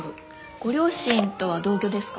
ご両親とは同居ですか？